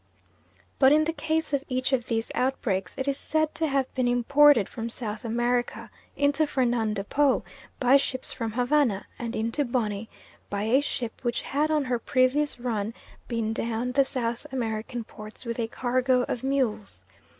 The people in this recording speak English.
But in the case of each of these outbreaks it is said to have been imported from South America, into Fernando Po, by ships from Havana, and into Bonny by a ship which had on her previous run been down the South American ports with a cargo of mules.